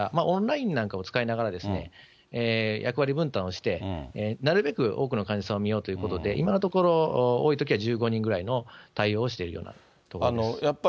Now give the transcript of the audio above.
オンラインなんかを使いながら、役割分担をして、なるべく多くの患者さんを診ようということで、今のところ、多いときは１５人ぐらいの対応をしているようなところです。